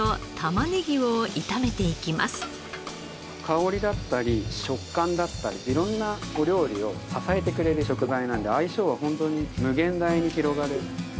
香りだったり食感だったり色んなお料理を支えてくれる食材なので相性はホントに無限大に広がる。